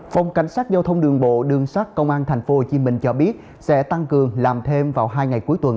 phòng cảnh sát giao thông đường bộ đường sát công an tp hcm cho biết sẽ tăng cường làm thêm vào hai ngày cuối tuần